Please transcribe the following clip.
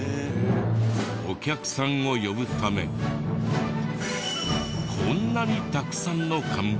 お客さんを呼ぶためこんなにたくさんの看板を。